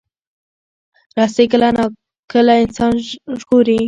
رسۍ کله انسان ژغوري.